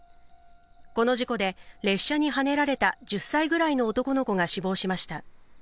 この事故で列車にはねられた１０歳くらいの男の子が死亡しました。